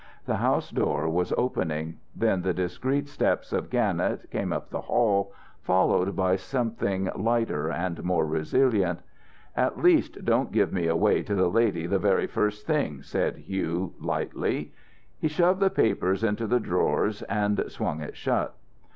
The house door was opening. Then the discreet steps of Gannett came up the hall, followed by something lighter and more resilient. "At least don't give me away to the lady the very first thing," said Hugh, lightly. He shoved the papers into the drawers and swung it shut.